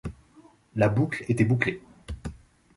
La boucle était bouclée.